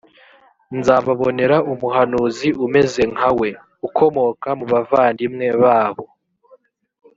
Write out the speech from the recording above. nzababonera umuhanuzi umeze nkawe, ukomoka mu bavandimwe babo;